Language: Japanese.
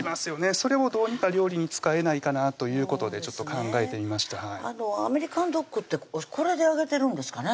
それをどうにか料理に使えないかなということでちょっと考えてみましたアメリカンドッグってこれで揚げてるんですかね？